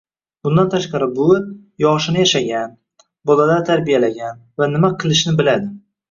Bundan tashqari buvi “yoshini yashagan, bolalar tarbiyalagan va nima qilishni biladi.